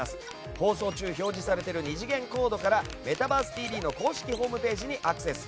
放送中表示されている２次元コードから公式ホームページにアクセス。